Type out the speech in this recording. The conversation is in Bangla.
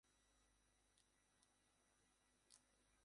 নানা নগরীতে কালোদের ওপর পুলিশের হামলা, গুলি করে হত্যার ঘটনা ঘটেছে।